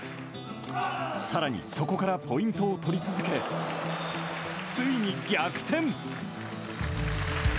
さらにそこからポイントを取り続け、ついに逆転。